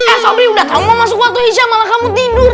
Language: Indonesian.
eh sobri udah kamu masuk waktu isya malah kamu tidur